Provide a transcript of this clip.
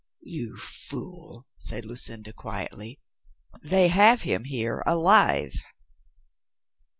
"You fool," said Lucinda quietly ; "they have him here alive."